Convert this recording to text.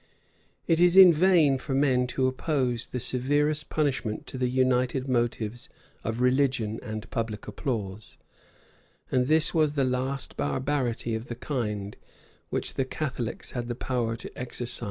[] It is in vain for men to oppose the severest punishment to the united motives of religion and public applause; and this was the last barbarity of the kind which the Catholics had the power to exercise in Scotland.